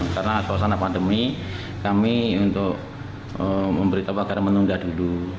karena suasana pandemi kami untuk memberitahu agar menunda dulu